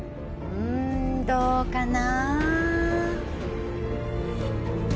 んどうかな？